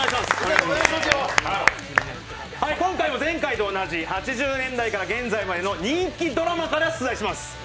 今回も前回と同じ８０年代から現代までの人気ドラマから出題します。